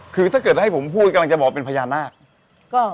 คือถ้าเกิดให้ผมพูดกำลังจะบอกเป็นพญานาค